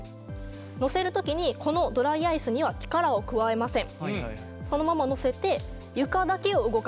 乗せる時にこのドライアイスには力を加えません。